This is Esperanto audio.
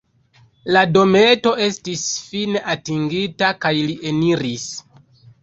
La dometo estis fine atingita, kaj li eniris.